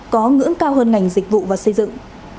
có ngưỡng cao hơn ngành dịch vụ và xây dựng